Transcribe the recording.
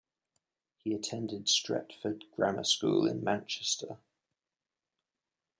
He attended Stretford Grammar School in Manchester.